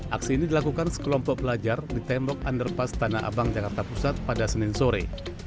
aksi ini dilakukan sekelompok pelajar di tembok underpass tanah abang jakarta pusat pada senin sore